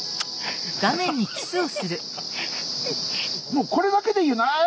もうこれだけでいいよああ！